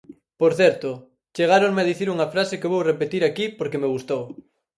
Por certo, chegáronme a dicir unha frase que vou repetir aquí porque me gustou.